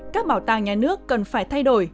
các bảo tàng nhà nước cần phải thay đổi